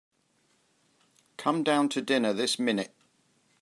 Come down to dinner this minute.